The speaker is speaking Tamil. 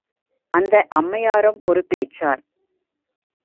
அந்த அம்மையாரும், பொறுப்பேற்றார்.